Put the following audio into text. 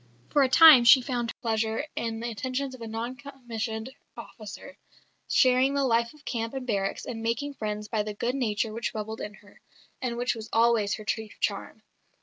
For a time she found her pleasure in the attentions of a non commissioned officer, sharing the life of camp and barracks and making friends by the good nature which bubbled in her, and which was always her chief charm.